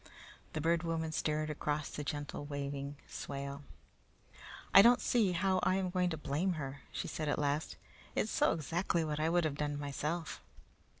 The Bird Woman stared across the gently waving swale. "I don't see how I am going to blame her," she said at last. "It's so exactly what I would have done myself."